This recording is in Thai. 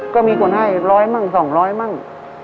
ก็มีคนให้ร้อยมั่งสองร้อยมั่ง